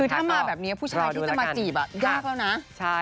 คือถ้ามาแบบนี้ผู้ชายที่จะมาจีบยากแล้วนะ